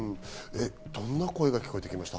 どんな声が聞こえてきました？